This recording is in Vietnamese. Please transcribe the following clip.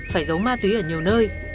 phải giấu ma túy ở nhiều nơi